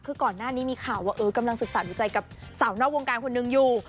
คือก่อนหน้านี้มีข่าวว่ากำลังศึกษาดูใจกับสาวนอกวงการคนหนึ่งอยู่